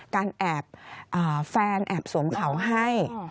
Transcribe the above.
แอบแฟนแอบสวมเขาให้